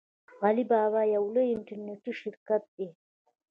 علي بابا یو لوی انټرنیټي شرکت دی.